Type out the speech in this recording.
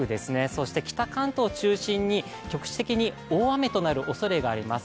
そして北関東を中心に局地的に大雨となるおそれがあります。